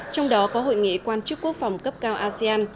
trong đó có hội nghị quan chức quốc phòng cấp cao asean